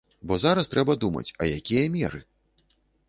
Бо зараз трэба думаць, а якія меры?